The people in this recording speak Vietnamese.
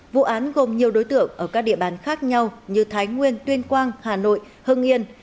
vụ án gồm nhiều đối tượng ở các địa bàn khác nhau như thái nguyên tuyên quang hà nội hưng yên